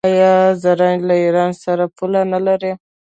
آیا زرنج له ایران سره پوله نلري؟